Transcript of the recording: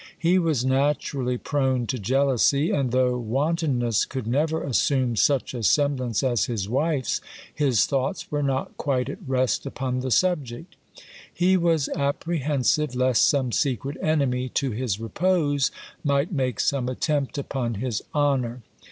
He was naturally prone to jealousy ; and though wantonness could never assume such a semblance as his wife's, his thoughts were not quite at rest upon the sub ject. He was apprehensive lest some secret enemy to his repose might make some attempt upon his honour.